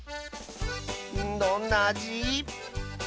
どんなあじ？